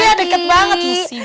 iya dekat banget